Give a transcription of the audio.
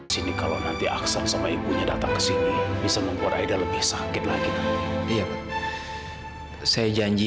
sampai jumpa di video selanjutnya